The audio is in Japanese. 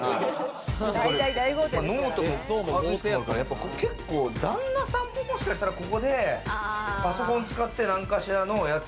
ノートもデスクもあるから、旦那さんももしかしたらここでパソコン使ってなんかしらのやつ。